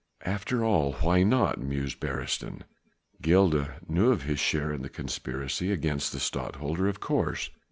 "After all, why not?" mused Beresteyn. Gilda knew of his share in the conspiracy against the Stadtholder of course.